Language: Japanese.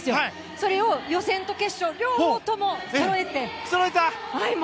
それを予選と決勝両方ともそろえて。